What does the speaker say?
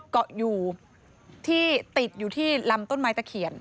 เกาะอยู่ที่ติดอยู่ที่ลำต้นไม้ตะเขียน